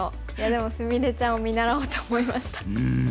でも菫ちゃんを見習おうと思いました。